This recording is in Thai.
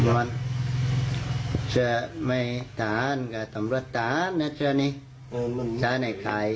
มันจะไม่ตาอันกว่าตำรวจตาอันนะคุณนะ